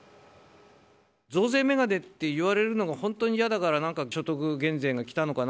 増税眼鏡って言われるのが本当にやだから、所得減税が来たのかな。